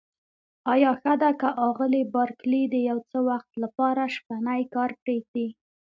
آیا ښه ده که آغلې بارکلي د یو څه وخت لپاره شپنی کار پرېږدي؟